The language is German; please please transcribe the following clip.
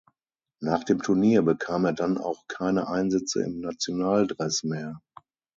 Nach dem Turnier bekam er dann auch keine Einsätze im Nationaldress mehr.